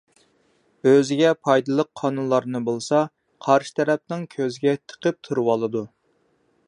ئۆزىگە پايدىلىق قانۇنلارنى بولسا قارشى تەرەپنىڭ كۆزىگە تىقىپ تۇرۇۋالىدۇ.